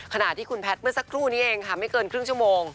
ขณะที่คุณแพทย์เมื่อสักครู่นี้เองค่ะไม่เกินครึ่งชั่วโมง